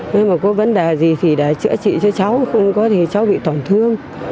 nếu mà có vấn đề gì thì đã chữa trị cho cháu không có thì cháu bị tổn thương